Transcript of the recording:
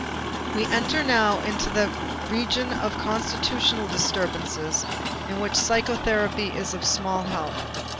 We enter now that region of constitutional disturbances in which psychotherapy is of small help.